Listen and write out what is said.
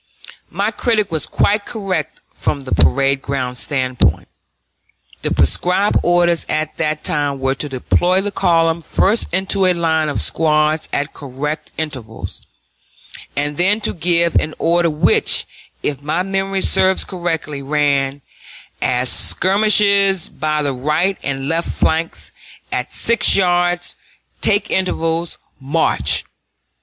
My critic was quite correct from the parade ground standpoint. The prescribed orders at that time were to deploy the column first into a line of squads at correct intervals, and then to give an order which, if my memory serves correctly, ran: "As skirmishers, by the right and left flanks, at six yards, take intervals, march."